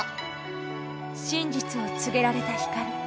真実を告げられた光。